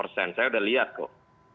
saya udah lihat kok